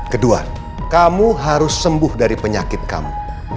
kedua kamu harus sembuh dari penyakit kamu